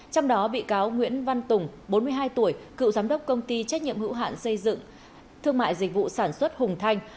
trong đó bị cáo nguyễn văn tùng bốn mươi hai tuổi cựu giám đốc công ty trách nhiệm hữu hạn xây dựng thương mại dịch vụ sản xuất hùng thanh